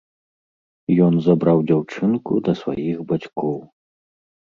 Ён забраў дзяўчынку да сваіх бацькоў.